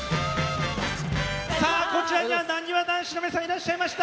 さあこちらにはなにわ男子の皆さんいらっしゃいました。